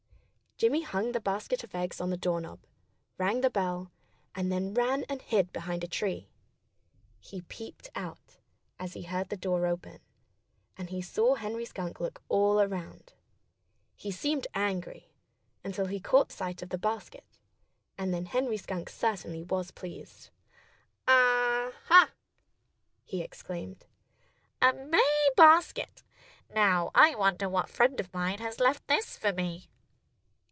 Jimmy hung the basket of eggs on the doorknob, rang the bell, and then ran and hid behind a tree. He peeped out, as he heard the door open; and he saw Henry Skunk look all around. He seemed angry, until he caught sight of the basket. And then Henry Skunk certainly was pleased. "Ah, ha!" he exclaimed. "A May basket! Now, I wonder what friend of mine has left this for me!"